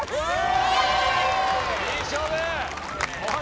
・いい勝負！